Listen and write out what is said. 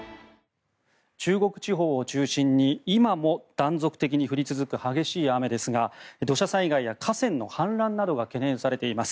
中国地方を中心に今も断続的に降り続く激しい雨ですが土砂災害や河川の氾濫などが懸念されています。